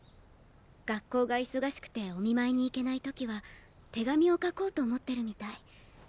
学校が忙しくてお見舞いに行けない時は手紙を書こうと思ってるみたい。